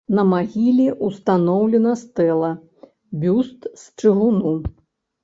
На магіле ўстаноўлена стэла, бюст з чыгуну.